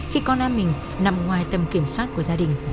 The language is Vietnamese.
khi con em mình nằm ngoài tầm kiểm soát của gia đình